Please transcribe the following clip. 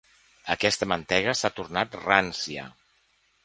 Aquesta mantega s'ha tornat rància.